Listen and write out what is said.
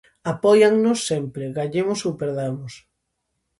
Apóiannos sempre, gañemos ou perdamos.